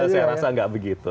saya rasa nggak begitu